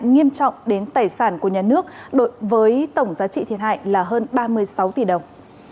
nghiêm trọng đến tài sản của nhà nước với tổng giá trị thiệt hại là hơn ba mươi sáu tỷ đồng